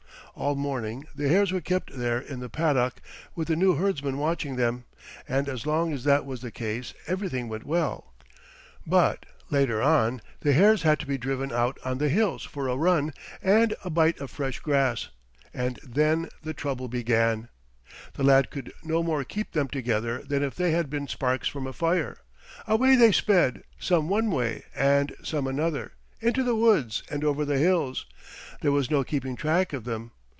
All morning the hares were kept there in the paddock with the new herdsman watching them, and as long as that was the case everything went well. But later on the hares had to be driven out on the hills for a run and a bite of fresh grass, and then the trouble began. The lad could no more keep them together than if they had been sparks from a fire. Away they sped, some one way and some another, into the woods and over the hills, there was no keeping track of them.